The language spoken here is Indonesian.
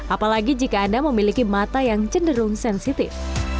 apalagi jika anda memiliki mata yang cenderung sensitif